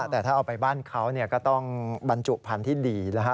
แต่ถ้าเอาไปบ้านเขาก็ต้องบรรจุพันธุ์ที่ดีนะฮะ